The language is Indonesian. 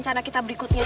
bahwa tiap suatu teman